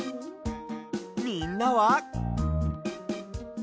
みんなは？